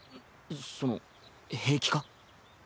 その平気か？